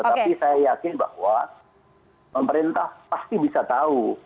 tapi saya yakin bahwa pemerintah pasti bisa tahu